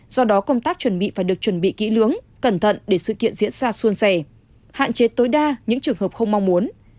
do đó công tác chuẩn bị phải được chuẩn bị kỹ lưỡng cẩn thận để sự kiện diễn ra xuân sẻ hạn chế tối đa những trường hợp không mong muốn